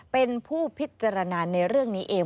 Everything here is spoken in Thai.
เป็นผู้พิจารณาในเรื่องนี้เอง